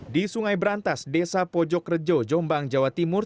di sungai berantas desa pojok rejo jombang jawa timur